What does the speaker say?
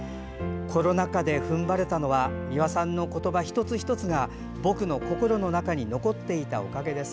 コロナ禍で、踏ん張れたのは美輪さんの言葉一つ一つが僕の心の中に残っていたおかげです」。